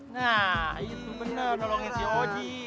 nah itu benar nolongin si oji